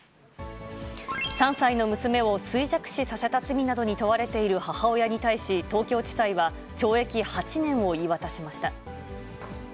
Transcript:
３歳の娘を衰弱死させた罪などに問われている母親に対し、東京地裁は、懲役８年を言い渡しました。